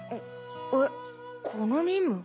えっこの任務？